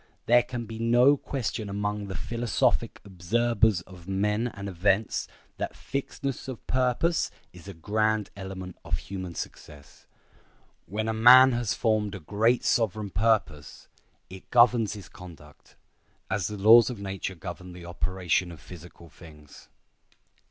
There can be no question among the philosophic observers of men and events that fixedness of purpose is a grand element of human success. When a man has formed in his mind a great sovereign purpose, it governs his conduct as the laws of nature govern the operation of physical things.